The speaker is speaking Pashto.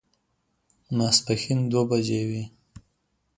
ماسپښين دوه بجې وې.